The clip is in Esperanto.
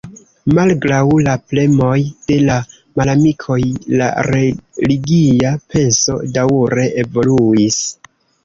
Malgraŭ la premoj de la malamikoj, la religia penso daŭre evoluis.